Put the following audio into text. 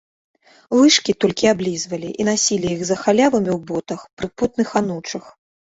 Лыжкі толькі аблізвалі і насілі іх за халявамі ў ботах, пры потных анучах.